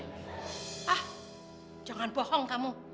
ah jangan bohong kamu